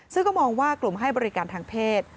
ซึ่งก็มองว่ากลุ่มให้บริการทางเพศ